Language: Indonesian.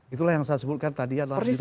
itulah yang saya sebutkan tadi adalah